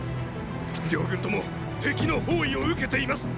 両軍共敵の包囲を受けています！